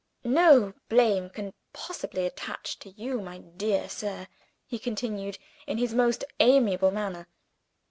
"No blame can possibly attach to you, my dear sir," he continued, in his most amiable manner.